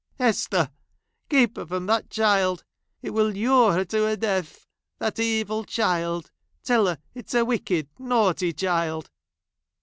' i " Hester ! keep her from that child ! It i will lure her to her death ! That evil child !| Tell her it is a wicked, naughty child."